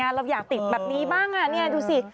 อยากมึงอยากติดแบบนี้บ้างนี่ดูสิ